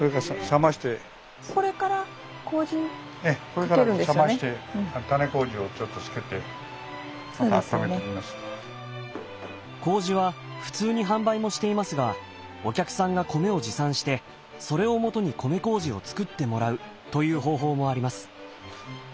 これが今ちょっとこうじは普通に販売もしていますがお客さんが米を持参してそれをもとに米こうじを造ってもらうという方法もあります。